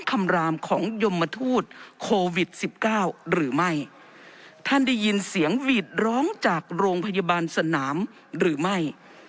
รามของยมทูตโควิดสิบเก้าหรือไม่ท่านได้ยินเสียงหวีดร้องจากโรงพยาบาลสนามหรือไม่